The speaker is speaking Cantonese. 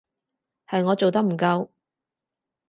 係我做得唔夠